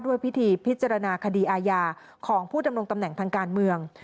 พิธีพิจารณาคดีอาญาของผู้ดำรงตำแหน่งทางการเมือง